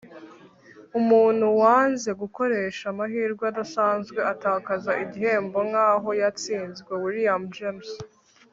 umuntu wanze gukoresha amahirwe adasanzwe atakaza igihembo nkaho yatsinzwe. - william james